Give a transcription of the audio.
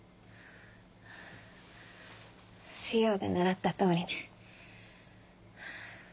授業で習ったとおりね。